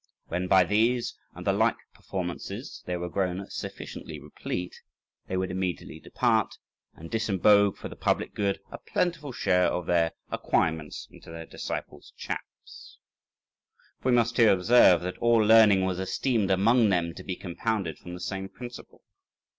When, by these and the like performances, they were grown sufficiently replete, they would immediately depart, and disembogue for the public good a plentiful share of their acquirements into their disciples' chaps. For we must here observe that all learning was esteemed among them to be compounded from the same principle.